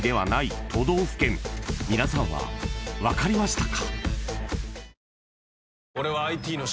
［皆さんは分かりましたか？］